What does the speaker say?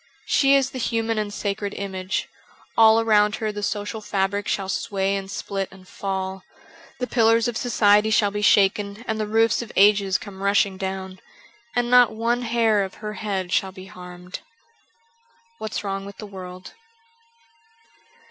She is the human and sacred image ; all around her the social fabric shall sway and split and fall ; the pillars of society shall be shaken and the roofs of ages come rushing down ; and not one hair of her head shall be harmed. ^What's Wrong with the World.'